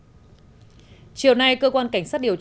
bệnh viện nhi trung ương đã hỗ trợ hai triệu đồng